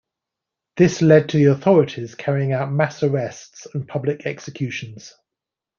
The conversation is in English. This led to the authorities' carrying out mass arrests and public executions.